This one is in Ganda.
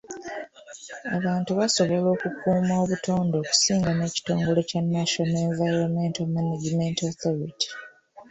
Abantu basobola okukuuma obutonde okusinga n'ekitongole kya National Environmental Management Authority.